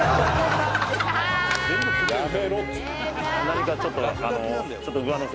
「何かちょっとあの」